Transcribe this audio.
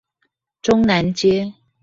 中南街